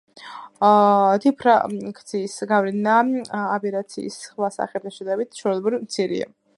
დიფრაქციის გავლენა, აბერაციის სხვა სახეებთან შედარებით, ჩვეულებრივ მცირეა.